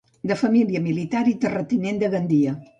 De família militar i terratinent de Gandia.